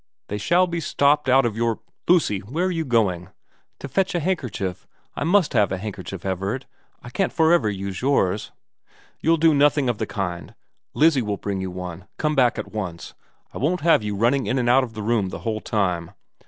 They shall be stopped out of your Lucy, where are you going ?' 262 VERA * To fetch a handkerchief. I must have a handker chief, Everard. I can't for ever use yours.' ' You'll do nothing of the kind. Lizzie will bring you one. Come back at once. I won't have you running in and out of the room the whole time.